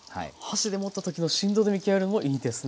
箸で持った時の振動で見極めるのもいいんですね。